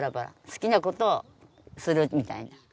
好きなことをするみたいな。